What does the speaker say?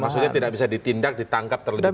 maksudnya tidak bisa ditindak ditangkap terlebih dahulu